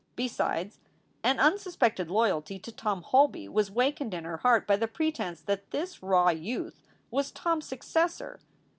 Besides, an unsuspected loyalty to Tom Holby was wakened in her heart by the pretence that this raw youth was Tom s " successor."